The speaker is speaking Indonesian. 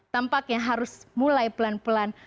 tampaknya harus mulai pelan pelan